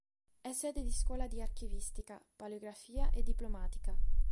È sede di Scuola di Archivistica, Paleografia e Diplomatica.